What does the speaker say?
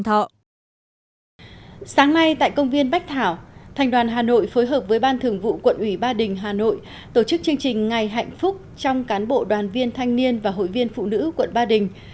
sáng nay tại công viên bách thảo thành đoàn hà nội phối hợp với ban thường vụ quận ủy ba đình hà nội tổ chức chương trình ngày hạnh phúc trong cán bộ đoàn viên thanh niên và hội viên phụ nữ quận ba đình